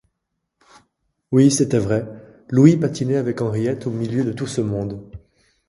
Oui, c’était vrai : Louis patinait avec Henriette au milieu de tout ce monde.